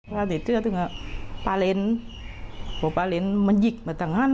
ว่าอัธิตเชื่อจึงน่ะป่าเล้นโบป่าเล้นมันหยิกมาทางคัน